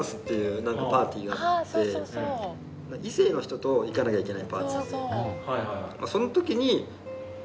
異性の人と行かなきゃいけないパーティーで。